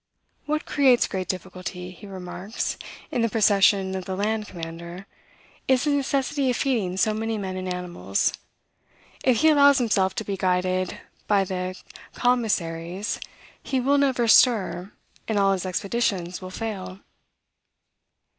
"What creates great difficulty," he remarks, "in the profession of the land commander, is the necessity of feeding so many men and animals. If he allows himself to be guided by the commissaries, he will never stir, and all his expeditions will fail."